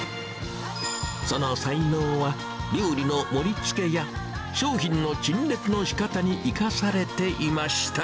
その才能は、料理の盛りつけや、商品の陳列のしかたに生かされていました。